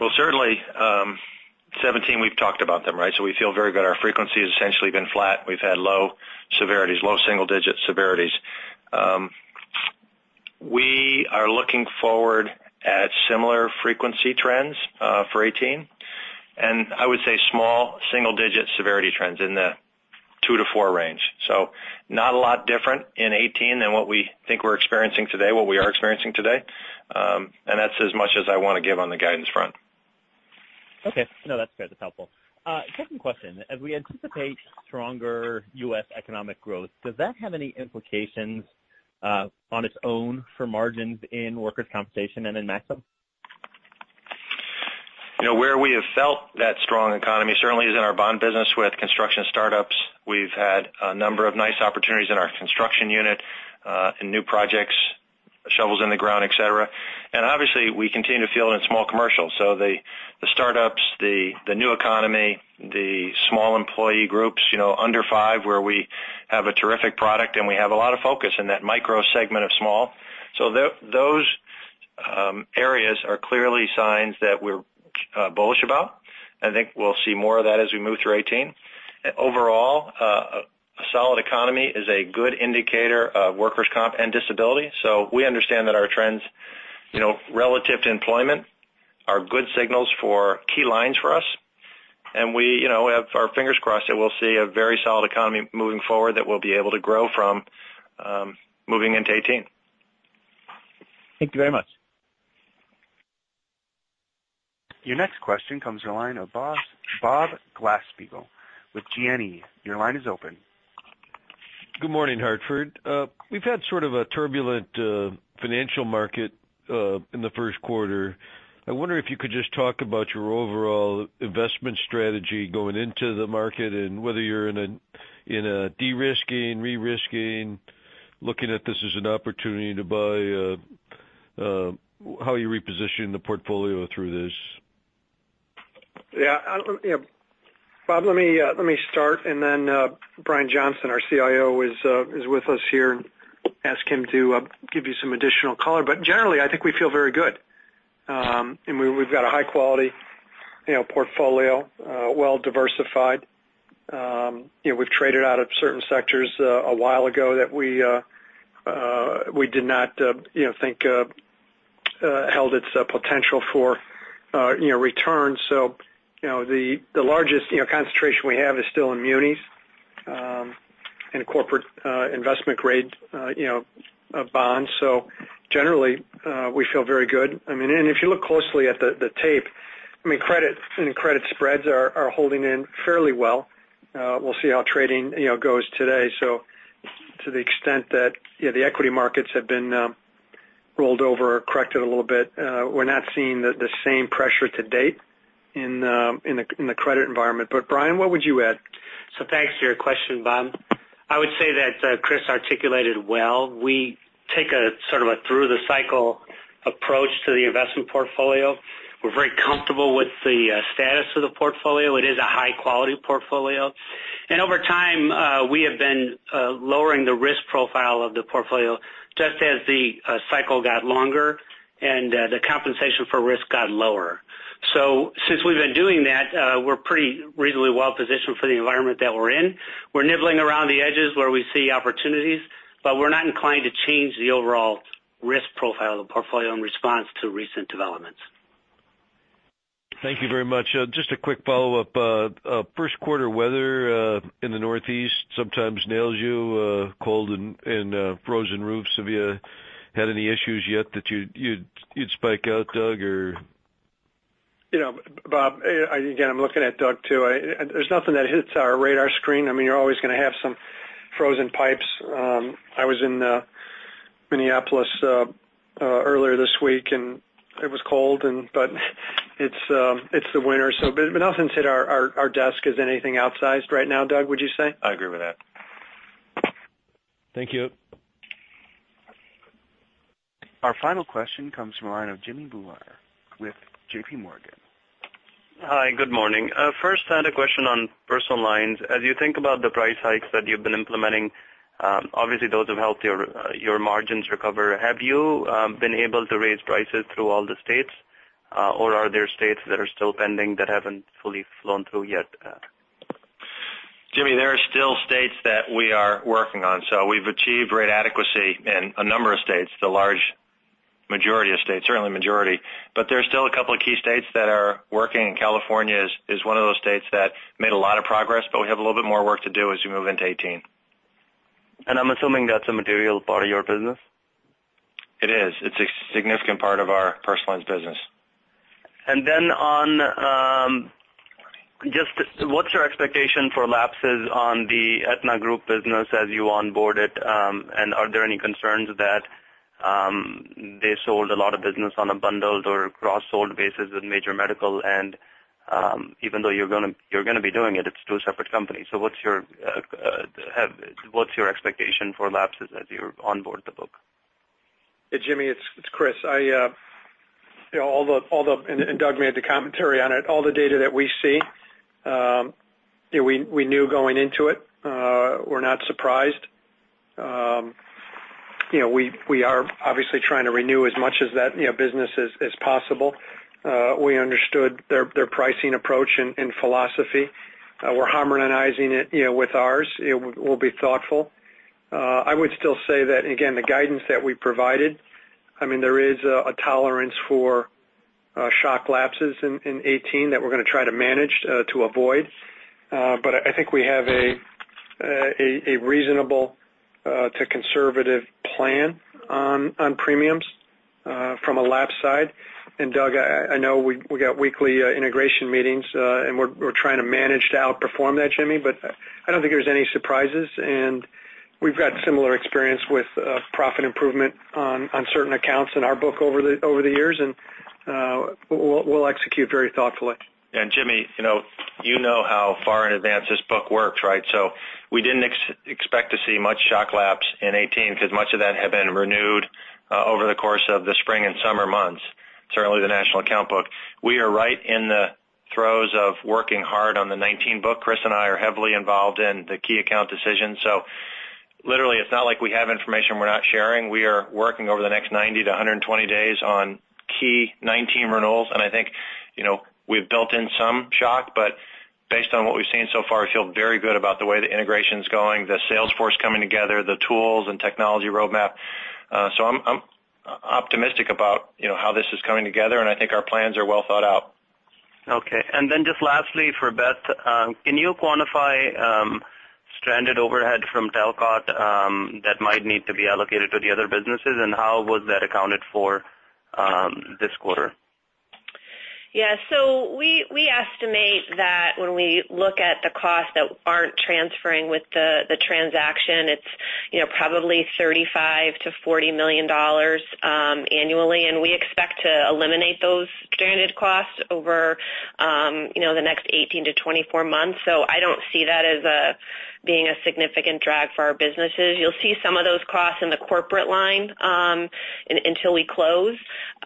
Well, certainly, 2017, we've talked about them, right? We feel very good. Our frequency has essentially been flat. We've had low severities, low single-digit severities. We are looking forward at similar frequency trends for 2018, and I would say small single-digit severity trends in the two to four range. Not a lot different in 2018 than what we think we're experiencing today, what we are experiencing today. That's as much as I want to give on the guidance front. Okay. No, that's fair. That's helpful. Second question. As we anticipate stronger U.S. economic growth, does that have any implications on its own for margins in workers' compensation and in Maxum? Where we have felt that strong economy certainly is in our bond business with construction startups. We've had a number of nice opportunities in our construction unit, in new projects, shovels in the ground, et cetera. Obviously, we continue to feel it in small commercial. The startups, the new economy, the small employee groups under five where we have a terrific product, and we have a lot of focus in that micro segment of small. Those areas are clearly signs that we're bullish about. I think we'll see more of that as we move through 2018. Overall, a solid economy is a good indicator of workers' comp and disability. We understand that our trends relative to employment are good signals for key lines for us, and we have our fingers crossed that we'll see a very solid economy moving forward that we'll be able to grow from moving into 2018. Thank you very much. Your next question comes from the line of Bob Glasspiegel with Janney. Your line is open. Good morning, Hartford. We've had sort of a turbulent financial market in the first quarter. I wonder if you could just talk about your overall investment strategy going into the market and whether you're in a de-risking, re-risking, looking at this as an opportunity to buy, how you reposition the portfolio through this. Bob, let me start, and then Brion Johnson, our CIO, is with us here, ask him to give you some additional color. Generally, I think we feel very good. We've got a high-quality portfolio, well-diversified. We've traded out of certain sectors a while ago that we did not think held its potential for returns. The largest concentration we have is still in munis and corporate investment grade bonds. Generally, we feel very good. If you look closely at the tape, credit spreads are holding in fairly well. We'll see how trading goes today. To the extent that the equity markets have been rolled over or corrected a little bit, we're not seeing the same pressure to date in the credit environment. Brion, what would you add? Thanks for your question, Bob. I would say that Chris articulated well. We take a sort of a through the cycle approach to the investment portfolio. We're very comfortable with the status of the portfolio. It is a high-quality portfolio. Over time, we have been lowering the risk profile of the portfolio just as the cycle got longer and the compensation for risk got lower. Since we've been doing that, we're pretty reasonably well positioned for the environment that we're in. We're nibbling around the edges where we see opportunities, but we're not inclined to change the overall risk profile of the portfolio in response to recent developments. Thank you very much. Just a quick follow-up. First quarter weather in the Northeast sometimes nails you, cold and frozen roofs. Have you had any issues yet that you'd spike out, Doug? Bob, again, I'm looking at Doug too. There's nothing that hits our radar screen. I mean, you're always going to have some frozen pipes. I was in Minneapolis earlier this week. It was cold, but it's the winter. Nothing's hit our desk as anything outsized right now, Doug, would you say? I agree with that. Thank you. Our final question comes from the line of Jimmy Bhullar with J.P. Morgan. Hi, good morning. I had a question on personal lines. As you think about the price hikes that you've been implementing, obviously those have helped your margins recover. Have you been able to raise prices through all the states? Or are there states that are still pending that haven't fully flown through yet? Jimmy, there are still states that we are working on, so we've achieved rate adequacy in a number of states, the large majority of states, certainly majority. There's still a couple of key states that are working, and California is one of those states that made a lot of progress, but we have a little bit more work to do as we move into 2018. I'm assuming that's a material part of your business? It is. It's a significant part of our personal lines business. What's your expectation for lapses on the Aetna group business as you onboard it? Are there any concerns that they sold a lot of business on a bundled or cross-sold basis with major medical? Even though you're going to be doing it's two separate companies. What's your expectation for lapses as you onboard the book? Jimmy, it's Chris. Doug made the commentary on it. All the data that we see, we knew going into it. We're not surprised. We are obviously trying to renew as much as that business as possible. We understood their pricing approach and philosophy. We're harmonizing it with ours. We'll be thoughtful. I would still say that, again, the guidance that we provided, there is a tolerance for shock lapses in 2018 that we're going to try to manage to avoid. I think we have a reasonable to conservative plan on premiums from a lapse side. Doug, I know we got weekly integration meetings, and we're trying to manage to outperform that, Jimmy. I don't think there's any surprises, and we've got similar experience with profit improvement on certain accounts in our book over the years, and we'll execute very thoughtfully. Jimmy, you know how far in advance this book works, right? We didn't expect to see much shock lapse in 2018 because much of that had been renewed over the course of the spring and summer months, certainly the national account book. We are right in the throes of working hard on the 2019 book. Chris and I are heavily involved in the key account decisions. Literally, it's not like we have information we're not sharing. We are working over the next 90 to 120 days on key 2019 renewals, and I think we've built in some shock, but based on what we've seen so far, I feel very good about the way the integration's going, the sales force coming together, the tools and technology roadmap. I'm optimistic about how this is coming together, and I think our plans are well thought out. Okay. Then just lastly for Beth, can you quantify stranded overhead from Talcott that might need to be allocated to the other businesses, and how was that accounted for this quarter? Yeah. We estimate that when we look at the costs that aren't transferring with the transaction, it's probably $35 million-$40 million annually, we expect to eliminate those stranded costs over the next 18-24 months. I don't see that as being a significant drag for our businesses. You'll see some of those costs in the corporate line until we close.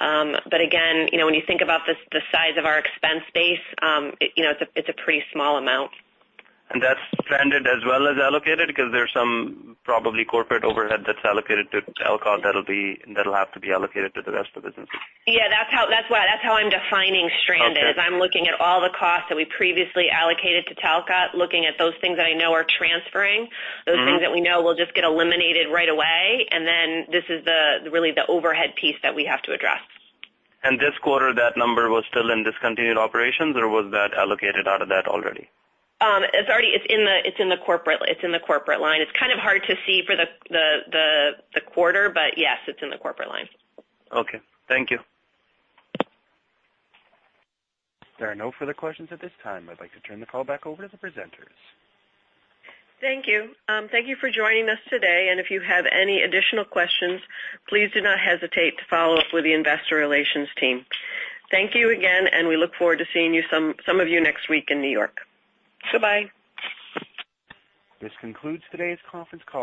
Again, when you think about the size of our expense base, it's a pretty small amount. That's stranded as well as allocated? Because there's some probably corporate overhead that's allocated to Talcott that'll have to be allocated to the rest of the business. Yeah, that's how I'm defining stranded. Okay is I'm looking at all the costs that we previously allocated to Talcott, looking at those things that I know are transferring those things that we know will just get eliminated right away. This is really the overhead piece that we have to address. This quarter, that number was still in discontinued operations, or was that allocated out of that already? It's in the corporate line. It's kind of hard to see for the quarter, but yes, it's in the corporate line. Okay. Thank you. There are no further questions at this time. I'd like to turn the call back over to the presenters. Thank you. Thank you for joining us today, and if you have any additional questions, please do not hesitate to follow up with the investor relations team. Thank you again, and we look forward to seeing some of you next week in New York. Goodbye. This concludes today's conference call.